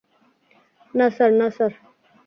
না, স্যার - না, স্যার।